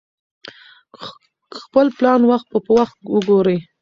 خپل پلان وخت په وخت وګورئ.